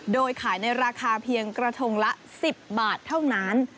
โดยขายในราคาเพียงกระทงละ๑๐บาทเท่านั้น